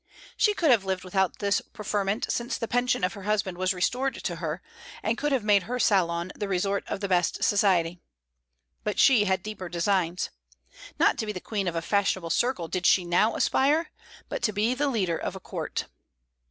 She could have lived without this preferment, since the pension of her husband was restored to her, and could have made her salon the resort of the best society. But she had deeper designs. Not to be the queen of a fashionable circle did she now aspire, but to be the leader of a court.